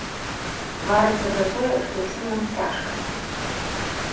Сварымся затое, што ўсім нам цяжка.